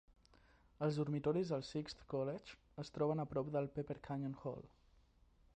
Els dormitoris del Sixth College es troben a prop del Pepper Canyon Hall.